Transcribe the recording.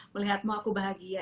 melihatmu aku bahagia